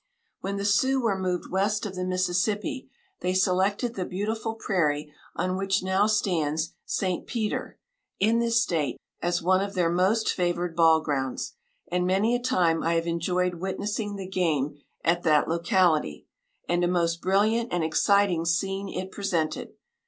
When the Sioux were moved west of the Mississippi they selected the beautiful prairie on which now stands St. Peter, in this state, as one of their most favored ball grounds, and many a time I have enjoyed witnessing the game at that locality, and a most brilliant and exciting scene it presented.